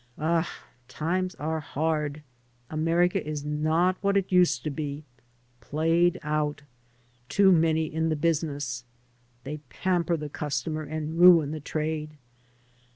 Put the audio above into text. Ah, times are hard. America is not what it used to be — ^played out. Too many in the business. They pamper the customer and ruin the trade.